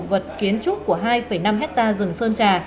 vật kiến trúc của hai năm hectare rừng sơn trà